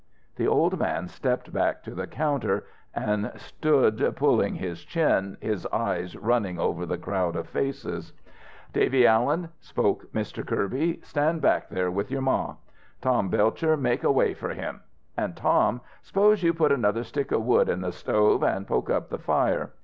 The old man stepped back to the counter, and stood julling his chin, his eyes running over the crowd of faces. "Davy Allen," spoke Mr. Kirby, "you stand back there with your ma. Tom Belcher make way for him. And, Tom, s'pose you put another stick of wood in that stove an' poke up the fire."